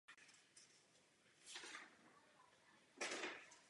Kola dodávala továrna jízdních kol Adler ve Frankfurtu nad Mohanem.